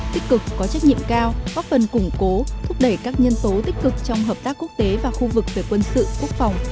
tích cực có trách nhiệm cao góp phần củng cố thúc đẩy các nhân tố tích cực trong hợp tác quốc tế và khu vực về quân sự quốc phòng